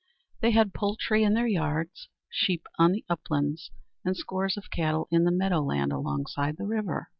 They had poultry in their yards, sheep on the uplands, and scores of cattle in the meadow land alongside the river.